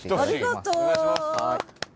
ありがとう！